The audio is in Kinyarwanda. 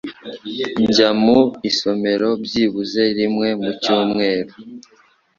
Njya mu isomero byibuze rimwe mu cyumweru.